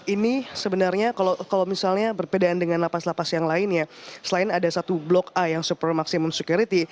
ini sebenarnya kalau misalnya berbedaan dengan lapas lapas yang lainnya selain ada satu blok a yang super maksimum security